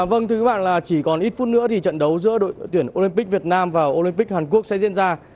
vâng thưa các bạn là chỉ còn ít phút nữa thì trận đấu giữa đội tuyển olympic việt nam và olympic hàn quốc sẽ diễn ra